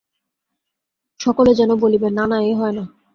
সকলে যেন বলিবে-না, না, এ হয় না!